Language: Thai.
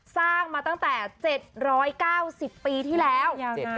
สร้างตั้งแต่๗๙๐ปีที่แล้ว